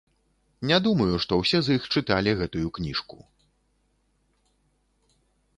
Не думаю, што ўсе з іх чыталі гэтую кніжку.